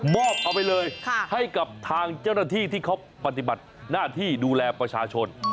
เอาไปเลยให้กับทางเจ้าหน้าที่ที่เขาปฏิบัติหน้าที่ดูแลประชาชน